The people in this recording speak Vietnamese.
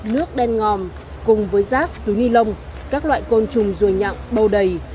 nước đen ngòm cùng với rác túi ni lông các loại côn trùng ruồi nhạc bầu đầy